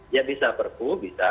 ya bisa pak rufu bisa